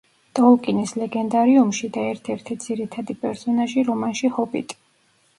ტოლკინის ლეგენდარიუმში და ერთ-ერთი ძირითადი პერსონაჟი რომანში „ჰობიტი“.